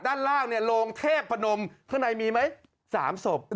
ด้านล่างโรงเทพพนมข้างในมีไหม๓ศพ